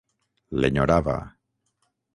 L'enyorava.